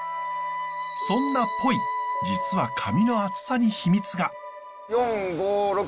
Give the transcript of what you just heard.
そんなポイ実は紙の厚さに秘密が。